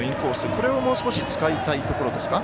これをもう少し使いたいところですか。